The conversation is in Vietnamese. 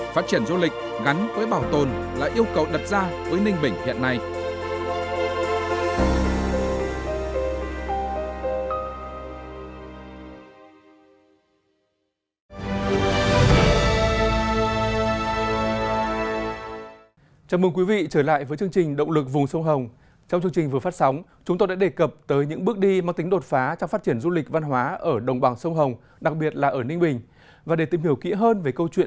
phát triển du lịch gắn với bảo tồn là yêu cầu đặt ra với ninh bình hiện nay